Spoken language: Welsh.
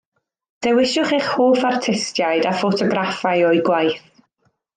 Dewiswch eich hoff artistiaid a ffotograffau o'u gwaith